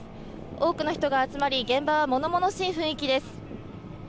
多くの人が集まり、現場はものものしい雰囲気です。